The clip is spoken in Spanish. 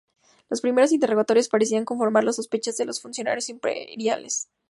Los primeros interrogatorios parecían confirmar las sospechas de los funcionarios imperiales.